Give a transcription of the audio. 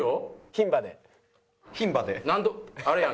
牝馬で。